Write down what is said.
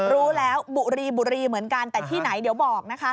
รู้แล้วบุรีบุรีเหมือนกันแต่ที่ไหนเดี๋ยวบอกนะคะ